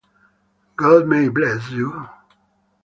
God may bless you.